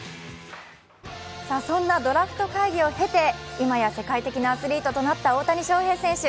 そんなドラフト会議を経て今や世界的なアスリートとなった大谷翔平選手。